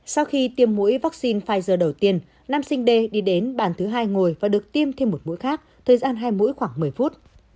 sau khi tiêm mũi vaccine pfizer đầu tiên nam sinh d đi đến bàn thứ hai ngồi và được tiêm thêm một mũi khác thời gian hai mũi khoảng một mươi phút